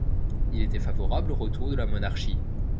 Il était favorable au retour à la monarchie.